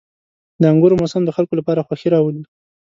• د انګورو موسم د خلکو لپاره خوښي راولي.